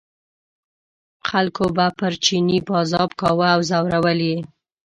خلکو به پر چیني پازاب کاوه او ځورول یې.